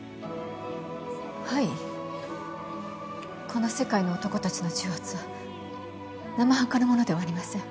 この世界の男たちの重圧は生半可なものではありません。